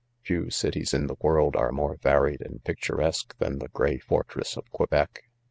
Few cities in the' world are more varied and pictur esque? than 'the gray fortress bf Quebec.